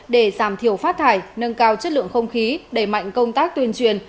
để giảm thiểu phát thải nâng cao chất lượng không khí đẩy mạnh công tác tuyên truyền